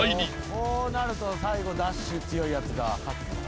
こうなると最後ダッシュ強いやつが勝つぞ。